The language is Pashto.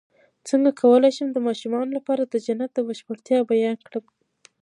څنګه کولی شم د ماشومانو لپاره د جنت د بشپړتیا بیان کړم